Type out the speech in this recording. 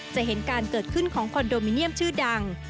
จะเห็นการเกิดขึ้นของคอนโดมิเนียมชื่อดัง